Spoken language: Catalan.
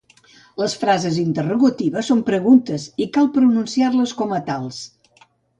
Les frases interrogatives són preguntes i cal pronunciar-les com a tals